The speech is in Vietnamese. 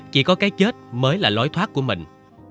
chỉ có cái chết mới là lối thoát của mình